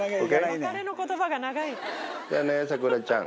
じゃあね、サクラちゃん。